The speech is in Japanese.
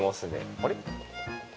あれ？